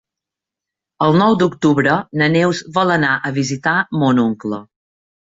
El nou d'octubre na Neus vol anar a visitar mon oncle.